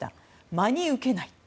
真に受けない。